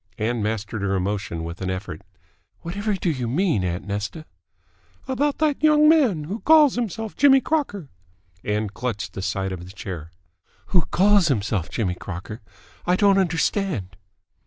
Ann mastered her emotion with an effort. "Whatever do you mean, aunt Nesta?" "About that young man, who calls himself Jimmy Crocker." Ann clutched the side of the chair. "Who calls himself Jimmy Crocker? I don't understand."